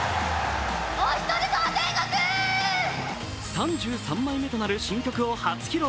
３３枚目となる新曲を初披露。